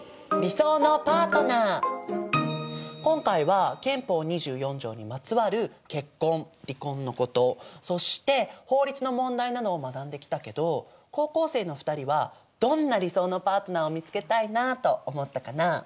今回は憲法２４条にまつわる結婚離婚のことそして法律の問題などを学んできたけど高校生の２人はどんな理想のパートナーを見つけたいなと思ったかな？